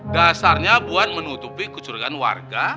dasarnya buat menutupi kecurigaan warga